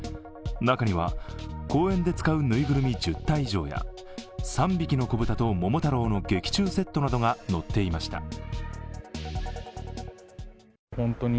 中には、公演で使うぬいぐるみ１０体以上や「三匹のこぶた」と「ももたろう」の劇中セットなどが載っていました。